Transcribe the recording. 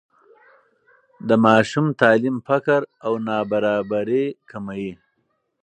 د ماشوم تعلیم فقر او نابرابري کموي.